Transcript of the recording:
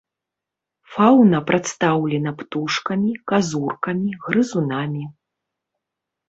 Фаўна прадстаўлена птушкамі, казуркамі, грызунамі.